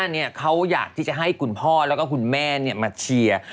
เนี่ยเขาอยากที่จะให้คุณพ่อแล้วก็คุณแม่มาเชียร์